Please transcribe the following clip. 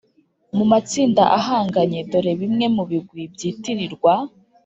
Mu matsinda ahanganye dore bimwe mu bigwi byitirirwaga